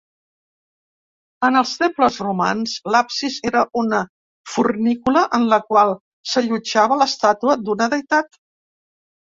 En els temples romans l'absis era una fornícula en la qual s'allotjava l'estàtua d'una deïtat.